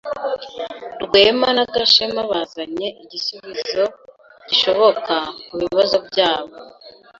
Rwema na Gashema bazanye igisubizo gishoboka kubibazo byabo.